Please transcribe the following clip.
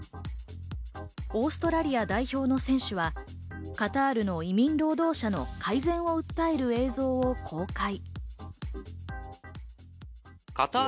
オーストラリア代表の選手はカタールの移民労働者の改善を訴える映像を公開。